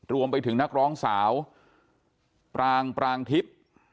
รวมไปถึงนักร้องสาวปรางทิศ